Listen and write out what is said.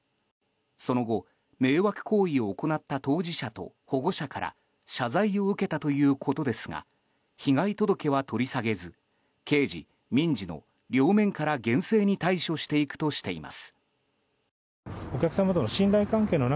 その後、迷惑行為を行った当事者と保護者から謝罪を受けたということですが被害届は取り下げず刑事・民事の両面から厳正に対処していくとしています。